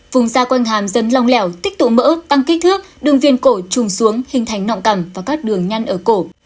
vùng da quanh hàm dấn lòng lẻo tích tụ mỡ tăng kích thước đường viên cổ trùng xuống hình thành nọng cằm và các đường nhăn ở cổ